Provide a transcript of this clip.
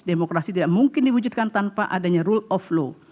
demokrasi tidak mungkin diwujudkan tanpa adanya rule of law